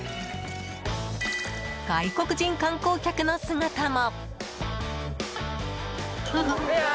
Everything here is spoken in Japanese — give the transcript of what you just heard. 外国人観光客の姿も。